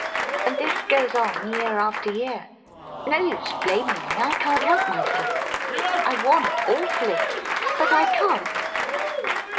And this goes on year after year. No use blaming me — I can't help myself. I want awfully — but I can't."